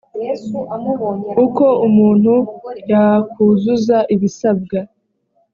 uko umuntu yakuzuza ibisabwa